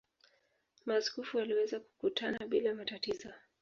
Maaskofu waliweza kukutana bila matatizo.